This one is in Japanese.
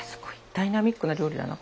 ダイナミックな料理だな。